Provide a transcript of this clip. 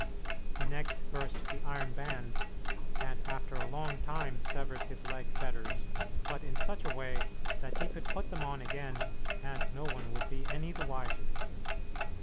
He next burst the iron band, and after a long time severed his leg fetters, but in such a way that he could put them on again and no one be any the wiser.